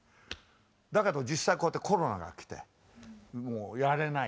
だけど実際こうやってコロナが来てもうやれない。